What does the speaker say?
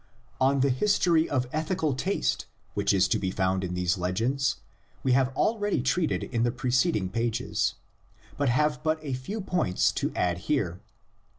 On the history of ethical taste which is to be found in these legends we have already treated in the preceding pages (see p. in) and have but a few points to add here.